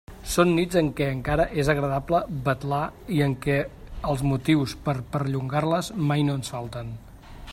Són nits en què encara és agradable vetlar i en què els motius per a perllongar-les mai no ens falten.